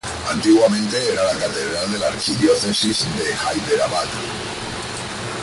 Antiguamente, era la catedral de la archidiócesis de Hyderabad.